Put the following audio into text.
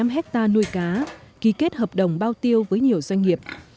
năm hectare nuôi cá ký kết hợp đồng bao tiêu với nhiều doanh nghiệp